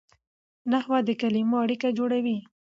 نحوه د کلیمو اړیکه جوړوي.